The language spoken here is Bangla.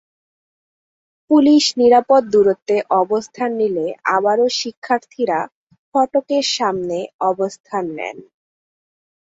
পুলিশ নিরাপদ দূরত্বে অবস্থান নিলে আবারও শিক্ষার্থীরা ফটকের সামনে অবস্থান নেন।